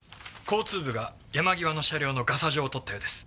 交通部が山際の車両のガサ状を取ったようです。